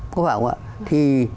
có phải không ạ